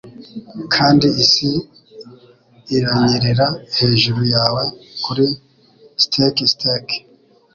kandi isi iranyerera hejuru yawe kuri skate skate